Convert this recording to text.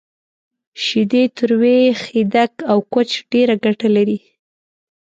شیدې، تروی، خیدک، او کوچ ډیره ګټه لری